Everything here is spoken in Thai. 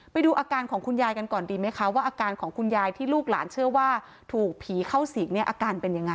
ไปดูอาการของคุณยายกันก่อนดีไหมคะว่าอาการของคุณยายที่ลูกหลานเชื่อว่าถูกผีเข้าสิงเนี่ยอาการเป็นยังไง